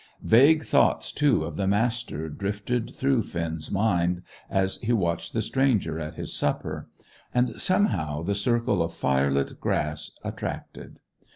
Vague thoughts, too, of the Master drifted through Finn's mind as he watched the stranger at his supper; and, somehow, the circle of firelit grass attracted.